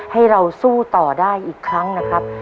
ให้เราสู้ต่อได้อีกครั้งนะครับ